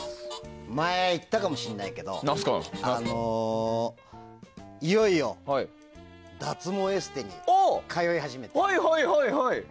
前、言ったかもしれないけどいよいよ脱毛エステに通い始めた。